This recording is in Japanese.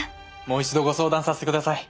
もう一度ご相談させてください。